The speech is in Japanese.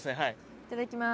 いただきます。